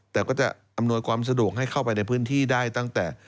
แต่ก็จะอำนวยความสะดวกให้เข้าไปในพื้นที่ได้ตั้งแต่